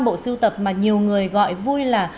bộ sưu tập mà nhiều người gọi vui là